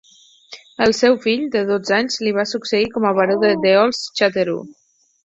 El seu fill, de dotze anys, li va succeir com a baró de Deols-Chateroux.